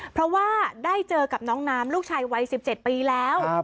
เพราะว่าได้เจอกับน้องน้ำลูกชายวัย๑๗ปีแล้ว